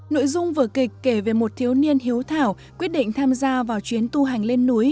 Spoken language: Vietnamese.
nội dung vở kịch kể về một thiếu niên hiếu thảo quyết định tham gia vào chuyến tu hành lên núi